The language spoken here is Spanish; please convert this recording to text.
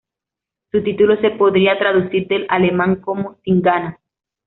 Su título se podría traducir del alemán como "sin ganas".